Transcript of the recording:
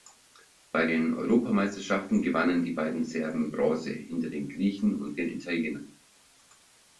Bei den Europameisterschaften gewannen die beiden Serben Bronze hinter den Griechen und den Italienern.